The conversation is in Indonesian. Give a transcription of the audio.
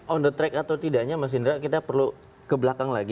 on the track atau tidaknya mas indra kita perlu ke belakang lagi